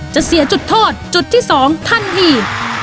จะเสียจุดโทษจุดที่๒ทันที